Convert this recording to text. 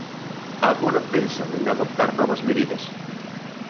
Agora pensan en adoptar novas medidas.